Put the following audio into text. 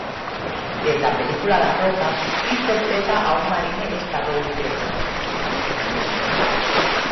En la película La Roca interpreta a un marine estadounidense.